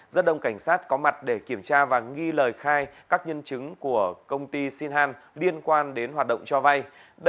rất đông cảnh sát có mặt để kiểm tra và nghi lời khai các nhân chứng của công ty sinh han liên quan đến hoạt động cho vay